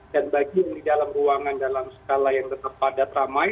dan bagi yang di dalam ruangan dalam skala yang terpadat ramai